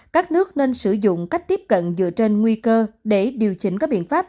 các nước nên sử dụng cách tiếp cận dựa trên nguy cơ để điều chỉnh các biện pháp